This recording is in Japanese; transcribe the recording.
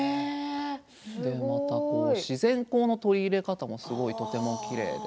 また自然光の取り入れ方もとてもきれいで。